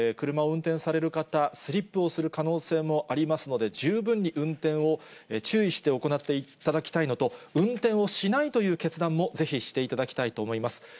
車を運転される方、スリップをする可能性もありますので、十分に運転を注意して行っていただきたいのと、運転をしないという決断も、ぜひしていただきたいと思います。